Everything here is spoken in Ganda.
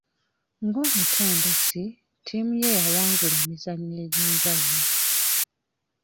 Ng'omutendesi, ttiimu ye yawangula emizannyo egy'enjawulo.